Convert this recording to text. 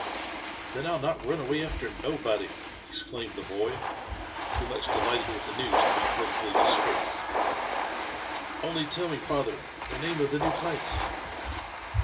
Then I'll not run away after nobody ! exclaimed the boy, too much delighted with the news to be perfectly discreet ;*' only tell me, father, the name of the new place?"